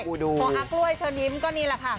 พออากล้วยเชิญยิ้มก็นี่แหละค่ะ